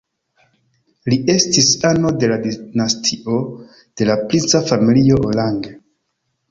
Li estis ano de la dinastio de la princa familio Orange.